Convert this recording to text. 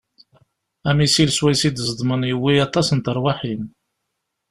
Amisil swayes i d-ẓedmen yewwi aṭas n terwiḥin.